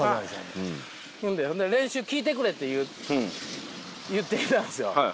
ほんで「練習聞いてくれ」って言ってきたんですよ。